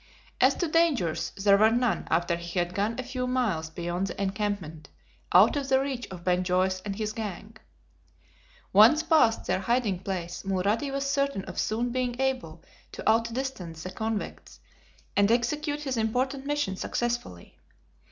As to dangers, there were none after he had gone a few miles beyond the encampment, out of the reach of Ben Joyce and his gang. Once past their hiding place, Mulrady was certain of soon being able to outdistance the convicts, and execute his important mission successfully.